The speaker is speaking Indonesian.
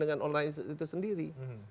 dengan online itu sendiri